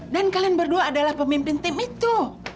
dan kalian berdua adalah pemimpin tim itu